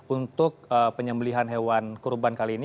untuk penyembelihan hewan kurban kali ini